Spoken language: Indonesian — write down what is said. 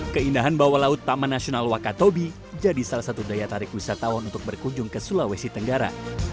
keindahan bawah laut taman nasional wakatobi jadi salah satu daya tarik wisatawan untuk berkunjung ke sulawesi tenggara